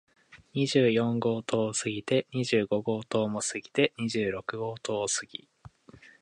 二十四号棟を過ぎて、二十五号棟も通り過ぎて、二十六号棟を過ぎ、